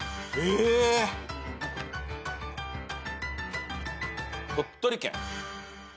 えっ！